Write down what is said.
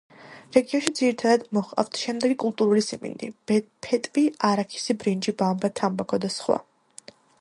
რეგიონში ძირითადად მოჰყავთ შემდეგი კულტურები სიმინდი, ფეტვი, არაქისი, ბრინჯი, ბამბა, თამბაქო და სხვა.